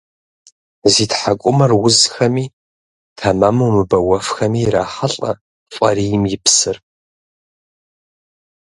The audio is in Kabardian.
Зи тхьэкӏумэр узхэми, тэмэму мыбэуэфхэми ирахьэлӏэ фӏарийм и псыр.